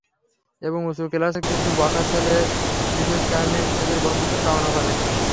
এবং উচু ক্লাসের কিছু বখা ছেলে বিশেষ কারণে এদের বন্ধুত্ব কামনা করে।